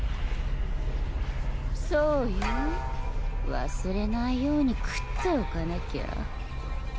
そうよ忘れないように喰っておかなきゃ。